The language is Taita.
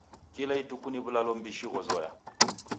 Kila ituku ni w'ulalo mbishi ghozoya.